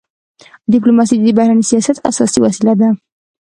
ډيپلوماسي د بهرني سیاست اساسي وسیله ده.